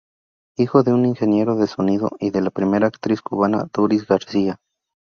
Hijo de un ingeniero de sonido y de la primera actriz cubana Doris García.